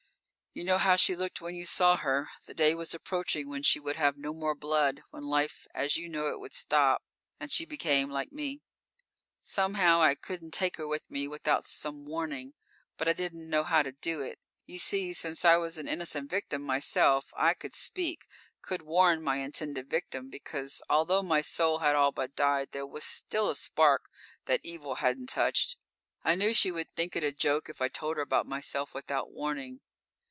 _ _You know how she looked when you saw her. The day was approaching when she would have no more blood, when life as you know it would stop and she would become like me. Somehow I couldn't take her with me without some warning, but I didn't know how to do it. You see, since I was an innocent victim myself. I could speak, could warn my intended victim, because although my soul had all but died, there was still a spark that evil hadn't touched. I knew she would think it a joke if I told her about myself without warning.